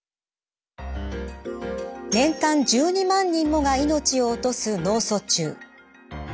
年間１２万人もが命を落とす脳卒中。